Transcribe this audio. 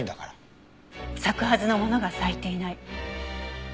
咲くはずのものが咲いていない。